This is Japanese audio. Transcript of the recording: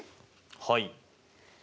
はい。